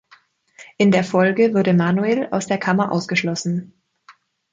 In der Folge wurde Manuel aus der Kammer ausgeschlossen.